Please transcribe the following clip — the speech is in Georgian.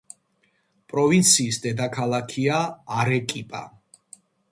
პროვინციის დედაქალაქია არეკიპა.